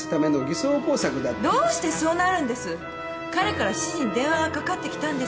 彼から７時に電話が掛かってきたんです。